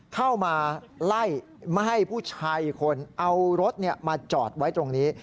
เข้ามาไล่ไม่ให้ผู้ชายอีกคนเอารถมาจอดไว้ตรงนี้